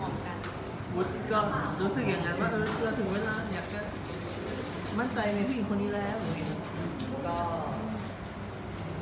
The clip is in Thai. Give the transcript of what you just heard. มั่นใจในผู้หญิงคนนี้แล้ว